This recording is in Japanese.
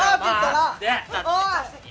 おい！